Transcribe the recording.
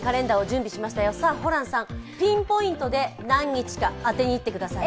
ホランさん、ピンポイントで何日か当てにいってください。